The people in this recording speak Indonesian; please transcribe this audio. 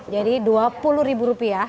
jadi dua puluh ribu rupiah